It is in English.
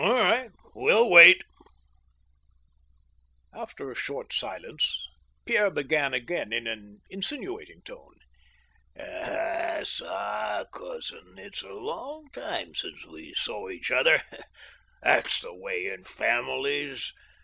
"All right. Well wait." After a short silence, Pierre began in an insinuating tone : "Ahf fa, cousin, it's a long time since we saw each other. That's the way in families.